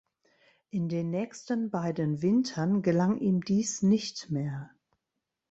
In den nächsten beiden Wintern gelang ihm dies nicht mehr.